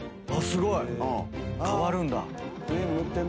すごい！変わるんだ。